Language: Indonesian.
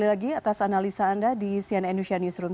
terima kasih sekali lagi atas analisa anda di sian endusia newsroom